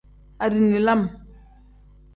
Adiini lam.